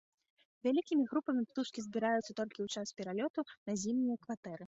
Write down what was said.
Вялікімі групамі птушкі збіраюцца толькі ў час пералёту на зімнія кватэры.